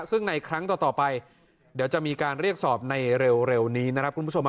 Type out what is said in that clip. ซึ่งในครั้งต่อไปเดี๋ยวจะมีการเรียกสอบในเร็วนี้นะครับคุณผู้ชม